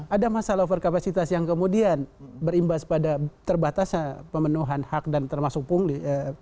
ada masalah overkapasitas yang kemudian berimbas pada terbatasnya pemenuhan hak dan termasuk pungli